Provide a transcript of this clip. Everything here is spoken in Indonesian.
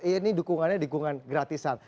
ini dukungannya dukungan gratisan